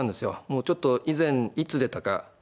もうちょっと以前いつ出たか。